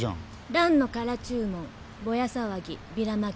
ランの空注文ボヤ騒ぎビラまき